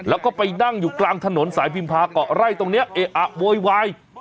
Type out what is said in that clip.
แล้วก็ไปนั่งอยู่กลางถนนสายพิมพาเกาะไร่ตรงนี้เอะอะโวยวาย